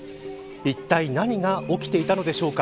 いったい何が起きていたのでしょうか。